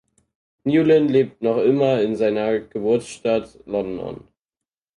Newland lebt noch immer in seiner Geburtsstadt London.